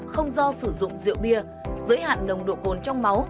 không do sử dụng rượu bia giới hạn nồng độ cồn trong máu